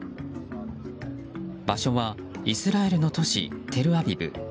場所はイスラエルの都市テルアビブ。